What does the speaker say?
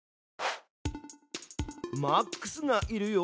マックスがいるよ！